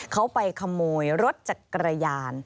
เขาไปขโมยรถจักรยาน